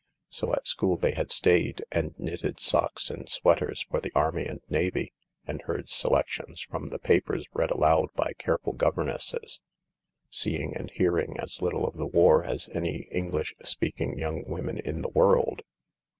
So at school they had stayed, and knitted socks and sweaters for the army and navy, and heard selections from the papers read aloud by careful governesses, seeing and hearing as little of the war as any English speaking young women in the world.